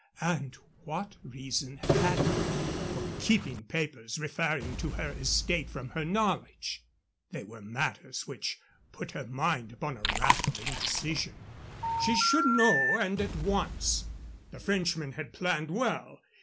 And what reason had he for keeping papers referring to her estate from her knowledge? They were matters which put her mind upon a rack of indecision. She should know, and at once. The Frenchman had planned well.